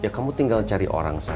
ya kamu tinggal cari orang saja